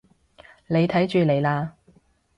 你睇住嚟啦